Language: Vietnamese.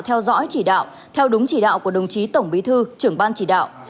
theo dõi chỉ đạo theo đúng chỉ đạo của đồng chí tổng bí thư trưởng ban chỉ đạo